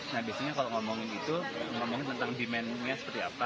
nah biasanya kalau ngomongin itu ngomongin tentang demand nya seperti apa